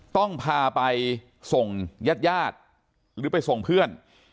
ต้องพาไปส่งญาติหญาติหรือไปส่งเพื่อน